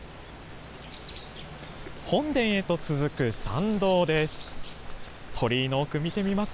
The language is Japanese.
本殿へと続く参道です。